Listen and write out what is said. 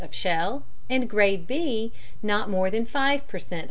of shell, and grade B not more than five per cent.